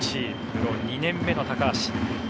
プロ２年目の高橋。